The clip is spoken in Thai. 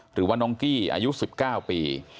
หรือว่าน้องกี้อายุ๑๙ปี